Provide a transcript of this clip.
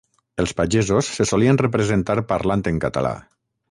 Els pagesos se solien representar parlant en català.